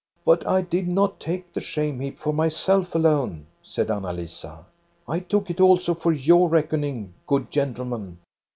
"' But I did not take the shame heap for myself alone,* said Anna Lisa. * I took it also for your reckoning, good gentlemen.